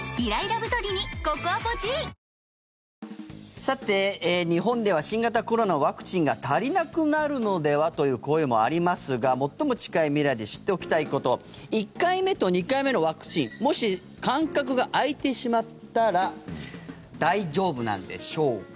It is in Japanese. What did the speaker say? さて、日本では新型コロナのワクチンが足りなくなるのではという声もありますが最も近い未来で知っておきたいこと１回目と２回目のワクチンもし、間隔が空いてしまったら大丈夫なんでしょうか。